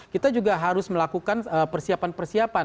kita juga harus melakukan persiapan persiapan